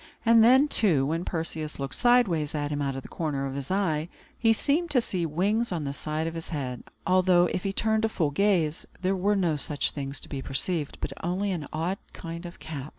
And then, too, when Perseus looked sideways at him out of the corner of his eye, he seemed to see wings on the side of his head; although, if he turned a full gaze, there were no such things to be perceived, but only an odd kind of cap.